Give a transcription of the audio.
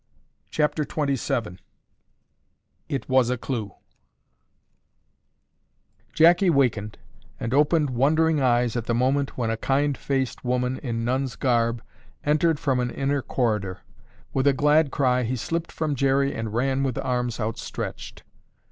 CHAPTER XXVII IT WAS A CLUE Jackie wakened and opened wondering eyes at the moment when a kind faced woman in nun's garb entered from an inner corridor. With a glad cry he slipped from Jerry and ran with arms outstretched.